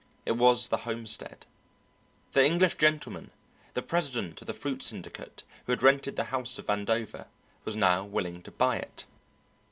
It was the homestead. The English gentleman, the president of the fruit syndicate who had rented the house of Vandover, was now willing to buy it.